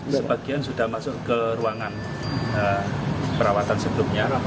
sebagian sudah masuk ke ruangan perawatan sebelumnya